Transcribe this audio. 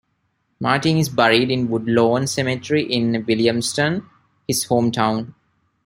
Martin is buried in Woodlawn Cemetery in Williamston, his hometown.